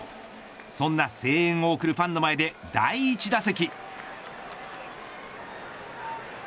そんな声援を送るファンの前で第１打席。